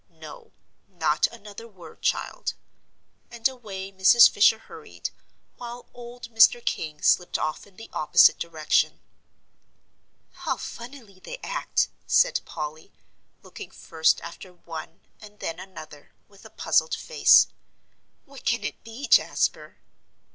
"No, not another word, child." And away Mrs. Fisher hurried, while old Mr. King slipped off in the opposite direction. "How funnily they act," said Polly, looking first after one and then another, with a puzzled face. "What can it be, Jasper?"